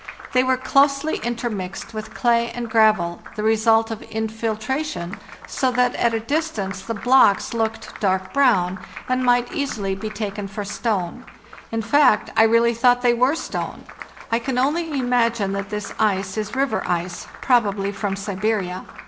They were closely intermixed with clay and gravel, the result of infiltra tion, so that at a distance the blocks looked dark brown, and might easily be taken for stone; in fact, I really thought they were stone. I can only imagine that this ice is river ice, probably from Siberia.